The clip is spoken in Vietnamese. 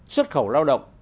xuất khẩu lao động